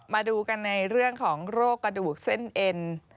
มาดูกันในเรื่องของโรคกระดูกเส้นเอ็น